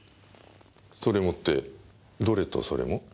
それもってどれとそれも？